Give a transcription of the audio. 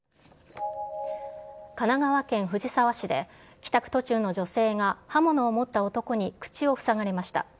神奈川県藤沢市で、帰宅途中の女性が刃物を持った男に口を塞がれました。